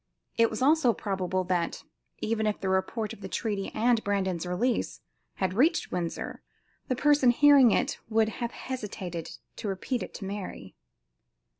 It is also probable that, even if the report of the treaty and Brandon's release had reached Windsor, the persons hearing it would have hesitated to repeat it to Mary.